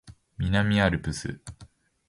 南アルプス